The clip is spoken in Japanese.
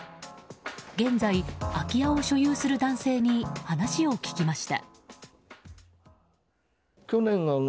現在、空き家を所有する男性に話を聞きました。